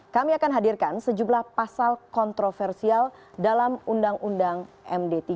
kami akan hadirkan sejumlah pasal kontroversial dalam undang undang md tiga